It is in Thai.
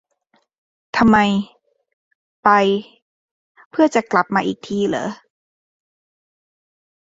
ทำไม ไป เพื่อจะกลับมาทีหลังเหรอ